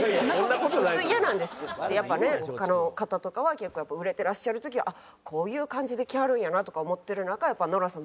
やっぱね他の方とかは売れてらっしゃる時はあっこういう感じで来はるんやなとか思ってる中ノラさん